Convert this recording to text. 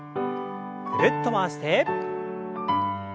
ぐるっと回して。